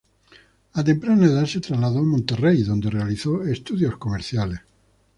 A temprana edad se trasladó a Monterrey, donde realizó estudios comerciales.